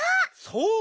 そう！